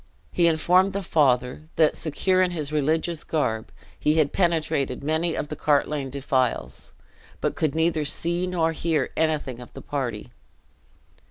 He informed the father that, secure in his religious garb, he had penetrated many of the Cartlane defiles, but could neither see nor hear anything of the party.